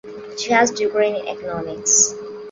She has degree in Economics.